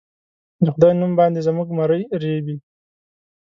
د خدای نوم باندې زموږه مرۍ رېبي